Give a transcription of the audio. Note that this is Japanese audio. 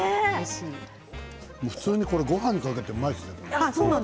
普通にごはんにかけてもうまいですね。